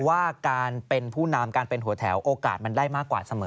ว่าการเป็นผู้นำการเป็นหัวแถวโอกาสมันได้มากกว่าเสมอ